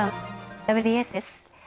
「ＷＢＳ」です。